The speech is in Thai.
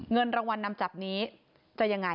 เงินรางวัลนำจับนี้จะยังไง